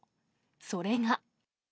それが。